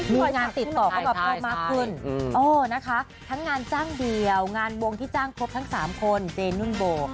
มีงานติดต่อเข้ามาเพิ่มมากขึ้นนะคะทั้งงานจ้างเดียวงานวงที่จ้างครบทั้ง๓คนเจนุ่นโบ